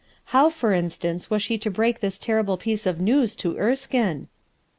How for instance, was she to break this terrible piece of news to Erskine?